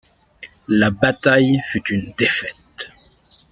La bataille fut une défaite.